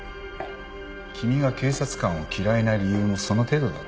君が警察官を嫌いな理由もその程度だろ。